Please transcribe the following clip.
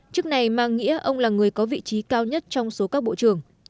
chức này mang nghĩa ông là người có vị trí cao nhất trong số các bộ trưởng